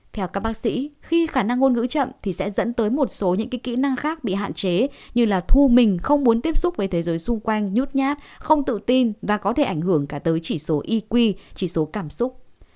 theo các bác sĩ khi khả năng ngôn ngữ chậm thì sẽ dẫn tới một số những kỹ năng khác bị hạn chế như là thu mình không muốn tiếp xúc với thế giới xung quanh nhút nhát không tự tin và có thể ảnh hưởng cả tới chỉ số eq chỉ số cảm xúc